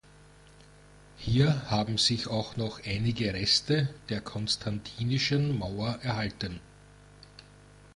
Hier haben sich auch noch einige Reste der konstantinischen Mauer erhalten.